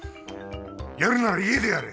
やるなら家でやれ。